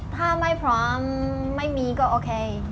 ถ้าไม่พร้อมไม่มีก็โอเค